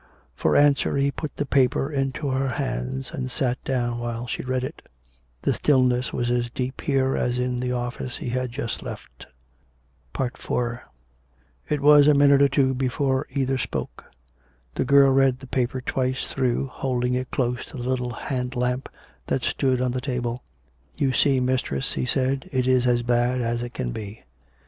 For answer he put the paper into her hands, and sat down while she read it. The still ness was as deep here as in the office he had just left. IV It was a minute or two before either spoke. The girl read the paper twice through, holding it close to the little hand lamp that stood on the table. ^56 COME RACK! COME ROPE! " You see, mistress," he said, " it is as bad as it can be."